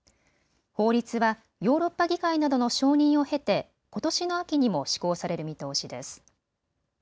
法律はヨーロッパ議会などの承認を経て、ことしの秋にも施行される見通しです。